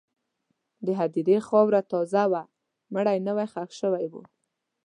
د هدیرې خاوره تازه وه، مړی نوی ښخ شوی و.